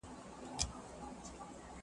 په والله چي ته هغه یې بل څوک نه یې،،!